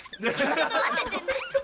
ちょっとまっててね。